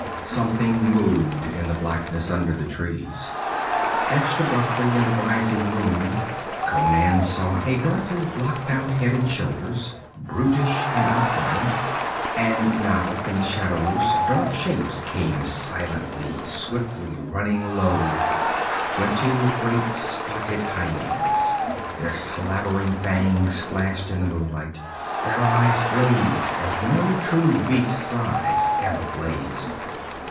Something moved in the blackness under the trees. Etched abruptly in the rising moon, Conan saw a darkly blocked out head and shoulders, brutish in outline. And now from the shadows dark shapes came silently, swiftly, running low twenty great spotted hyenas. Their slavering fangs flashed in the moonlight, their eyes blazed as no true beast's eyes ever blazed.